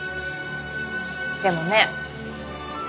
でもね